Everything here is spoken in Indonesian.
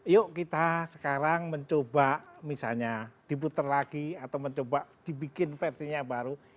yuk kita sekarang mencoba misalnya diputer lagi atau mencoba dibikin versinya baru